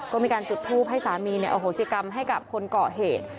ก็มีการจุดทูปให้สามีอโหสิกรรมให้กับคนก่อเหตุ